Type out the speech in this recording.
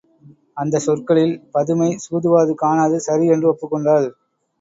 அந்தச் சொற்களில் பதுமை சூதுவாது காணாது சரி என்று ஒப்புக்கொண்டாள்.